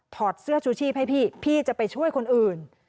เสื้อชูชีพให้พี่พี่จะไปช่วยคนอื่น